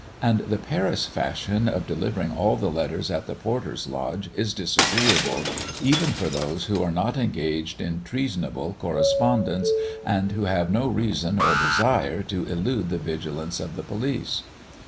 And the Paris fashion of delivering all the letters at the porter's lodge, is disagreeable, even for those who are not engaged in treasonable correspondence, and who have no reason or desire to elude the vigilance of the police.